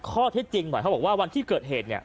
ข้อเท็จจริงหน่อยเขาบอกว่าวันที่เกิดเหตุเนี่ย